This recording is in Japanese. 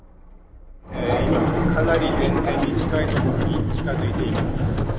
今、かなり前線に近い所に近づいています。